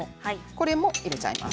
これも入れちゃいます。